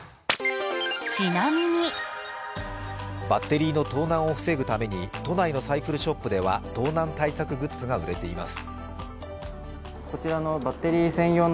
バッテリーの盗難を防ぐために都内のサイクルショップでは盗難対策グッズが売れています。